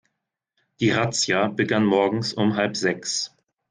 Die Razzia begann morgens um halb sechs.